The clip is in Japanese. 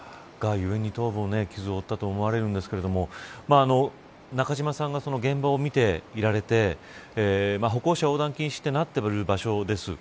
頭部の傷を負ったと思うんですが中島さんが現場を見ていられて歩行者横断禁止となっている場所です。